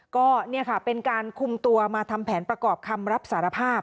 ก็เนี่ยค่ะเป็นการคุมตัวมาทำแผนประกอบคำรับสารภาพ